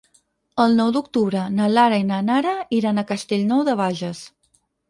El nou d'octubre na Lara i na Nara iran a Castellnou de Bages.